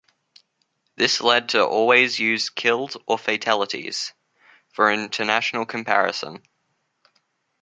This lead to always use killed or fatalities, for international comparison.